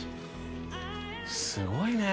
すごいね。